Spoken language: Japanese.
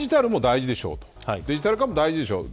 デジタル化も大事でしょう。